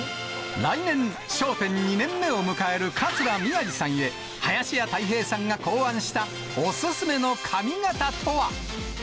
来年、笑点２年目を迎える桂宮治さんへ、林家たい平さんが考案した、お勧めの髪形とは。